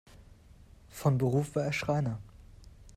Von Beruf war er Schreiner.